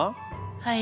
はい。